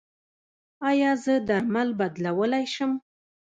ایا زه درمل بدلولی شم؟